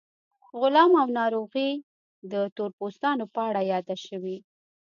غلا او ناروغۍ د تور پوستانو په اړه یادې شوې.